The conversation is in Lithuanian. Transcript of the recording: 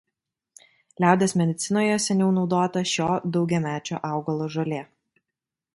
Liaudies medicinoje seniau naudota šio daugiamečio augalo žolė.